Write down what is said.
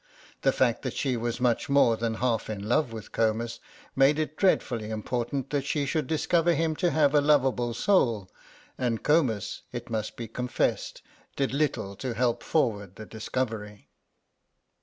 The fact that she was much more than half in love with Comus made it dreadfully important that she should discover him to have a lovable soul, and Comus, it must be confessed, did little to help forward the discovery.